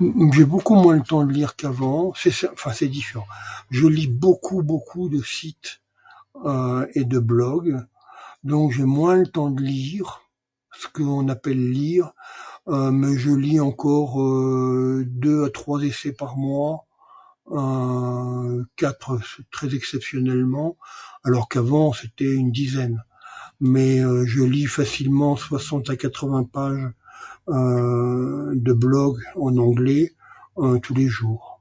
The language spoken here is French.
Donc, j'ai beaucoup moins le temps de lire qu'avant, c'est cert, enfin c'est édifiant, je lis beaucoup, beaucoup de sites et de blogs donc j'ai moins le temps de lire, c'qu'on appelle lire, mais je lis encore deux à trois essais par mois quatre très exceptionnellement, alors qu'avant c'était une dizaine, mais je lis facilement soixante à quatre-vingts pages de blog en anglais tous les jours.